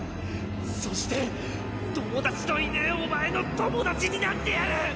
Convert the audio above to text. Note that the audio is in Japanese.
そして友達のいねえお前の友達になってやる！